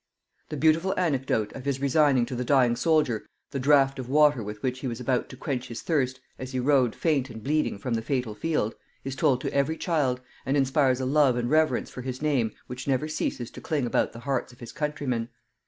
The beautiful anecdote of his resigning to the dying soldier the draught of water with which he was about to quench his thirst as he rode faint and bleeding from the fatal field, is told to every child, and inspires a love and reverence for his name which never ceases to cling about the hearts of his countrymen.